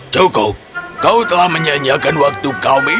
cukup kau telah menyanyiakan waktu kami